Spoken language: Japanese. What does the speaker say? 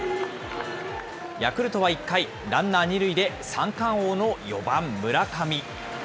ヤクルトは１回、ランナー二塁で、三冠王の４番村上。